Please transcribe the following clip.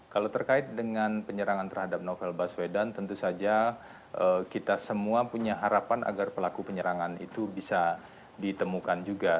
kalau terkait dengan penyerangan terhadap novel baswedan tentu saja kita semua punya harapan agar pelaku penyerangan itu bisa ditemukan juga